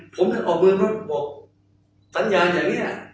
ผมก็ออกเมืองรถบอกสัญญาณอย่างเนี้ย